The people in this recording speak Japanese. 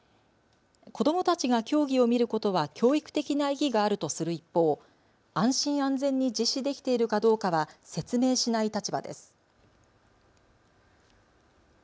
子どもたちが競技を見ることは教育的な意義があるとする一方、安心安全に実施できているかどうかは説明しない立場です。